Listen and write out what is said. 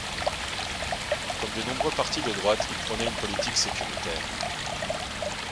Comme de nombreux partis de droite, il prônait une politique sécuritaire.